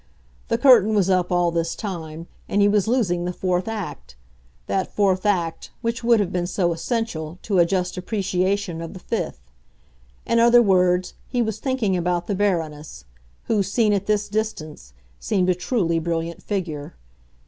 The curtain was up all this time, and he was losing the fourth act; that fourth act which would have been so essential to a just appreciation of the fifth. In other words, he was thinking about the Baroness, who, seen at this distance, seemed a truly brilliant figure.